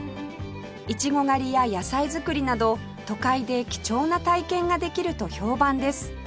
いちご狩りや野菜作りなど都会で貴重な体験ができると評判です